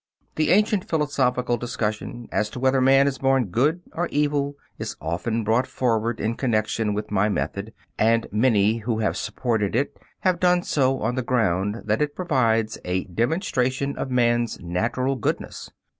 The ancient philosophical discussion as to whether man is born good or evil is often brought forward in connection with my method, and many who have supported it have done so on the ground that it provides a demonstration of man's natural goodness.